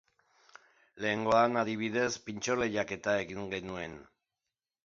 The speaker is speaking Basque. Lehengoan, adibidez, pintxo lehiaketa egin genuen.